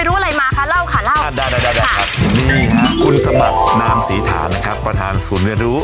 ได้ครับนี่ค่ะคุณสมัตินามศรีฐานประธานศูนย์เรียนรู้